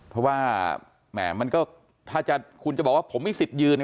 เพราะว่าแหม่มันก็ถ้าคุณจะบอกว่าผมมีสิทธิ์ยืนนะ